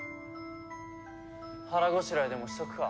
腹ごしらえでもしとくか。